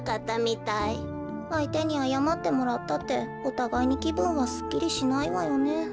あいてにあやまってもらったっておたがいにきぶんはすっきりしないわよね。